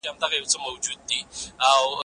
موږ تاریخي ځایونه خوښوو.